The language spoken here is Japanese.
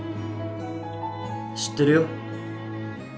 知ってるよ。